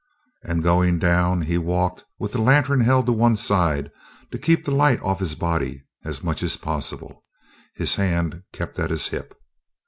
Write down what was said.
And going down he walked with the lantern held to one side, to keep the light off his own body as much as possible; his hand kept at his hip.